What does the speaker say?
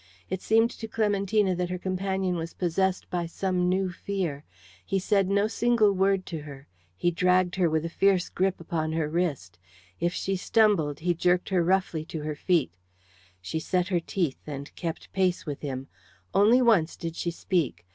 It seemed to Clementina that her companion was possessed by some new fear. He said no single word to her; he dragged her with a fierce grip upon her wrist; if she stumbled, he jerked her roughly to her feet. She set her teeth and kept pace with him. Only once did she speak.